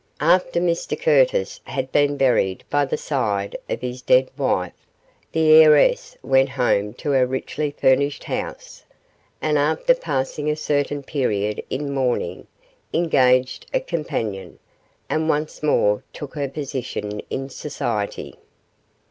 After Mr Curtis had been buried by the side of his dead wife, the heiress went home to her richly furnished house, and after passing a certain period in mourning, engaged a companion, and once more took her position in society.